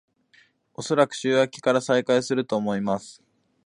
おそらく週明けから再開すると思います